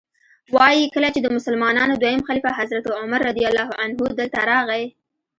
وایي کله چې د مسلمانانو دویم خلیفه حضرت عمر رضی الله عنه دلته راغی.